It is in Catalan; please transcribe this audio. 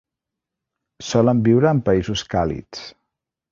Solen viure en països càlids.